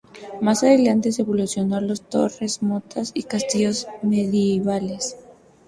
Más adelante, se evolucionó a las torres, motas y castillos medievales.